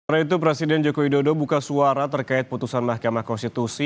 pada hari itu presiden jokowi dodo buka suara terkait putusan mahkamah konstitusi